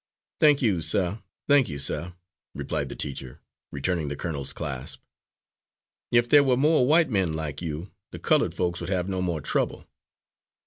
"Thank you, sir, thank you, sir," replied the teacher, returning the colonel's clasp. "If there were more white men like you, the coloured folks would have no more trouble."